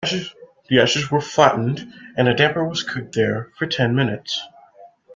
The ashes were flattened, and the damper was cooked there for ten minutes.